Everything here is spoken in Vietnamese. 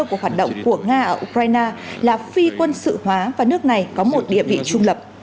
của hoạt động của nga ở ukraine là phi quân sự hóa và nước này có một địa vị trung lập